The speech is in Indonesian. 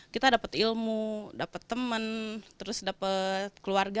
kita dapat ilmu dapat teman terus dapat keluarga